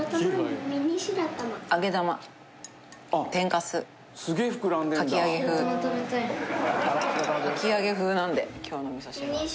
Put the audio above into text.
かき揚げ風なんで今日の味噌汁は。